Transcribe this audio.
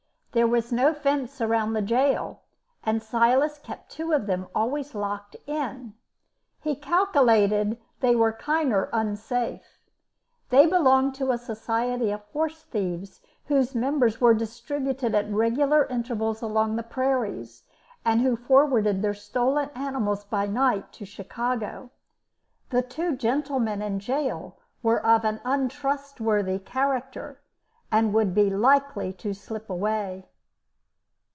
There was no fence around the gaol, and Silas kept two of them always locked in. He "calkilated they wer kinder unsafe." They belonged to a society of horse thieves whose members were distributed at regular intervals along the prairies, and who forwarded their stolen animals by night to Chicago. The two gentlemen in gaol were of an untrustworthy character, and would be likely to slip away.